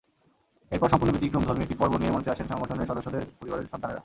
এরপর সম্পূর্ণ ব্যতিক্রমধর্মী একটি পর্ব নিয়ে মঞ্চে আসেন সংগঠনের সদস্যদের পরিবারের সন্তানেরা।